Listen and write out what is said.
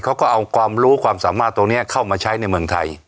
เขาก็เอาความรู้ความสามารถตรงนี้เข้ามาใช้ในเมืองไทย